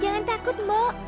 jangan takut mbok